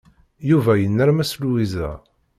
Yuba yennermes Lwiza.